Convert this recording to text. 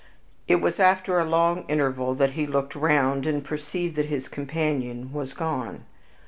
It was after a long interval that he looked round, and perceived that his companion was gone.